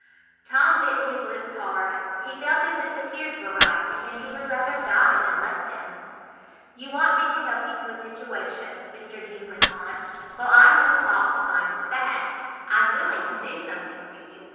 Tom bit his lips hard; he felt as if the tears were rising, and he would rather die than let them. "You want me to help you to a situation," Mr Deane went on; "well, I've no fault to find with that. I'm willing to do something for you.